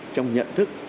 trong nhận thức